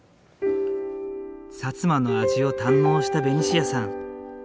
摩の味を堪能したベニシアさん。